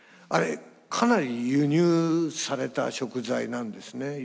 あれかなり輸入された食材なんですね。